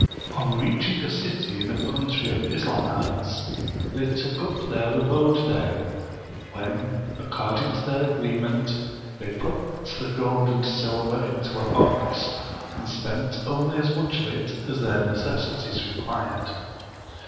On reaching a city in a country of Islamites, they took up their abode there; when, according to their agreement, they put the gold and silver into a box, and spent only as much of it as their necessities required.